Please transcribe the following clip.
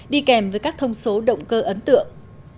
đi kèm với các thông số động cơ ấn tượng